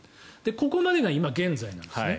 ここまでが今現在なんですね。